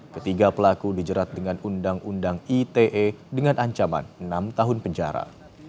ketiga pelaku dijerat dengan undang undang ite dengan ancaman enam tahun penjara